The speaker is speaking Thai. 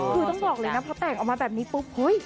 คือต้องบอกเลยมาพอแต่งเอามาแบบนี้ปุ๊บ